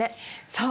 そう。